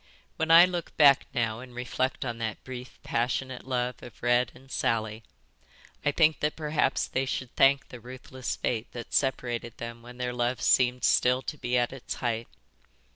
"When I look back now and reflect on that brief passionate love of Red and Sally, I think that perhaps they should thank the ruthless fate that separated them when their love seemed still to be at its height.